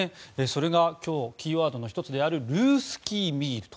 それが今日、キーワードの１つであるルースキー・ミール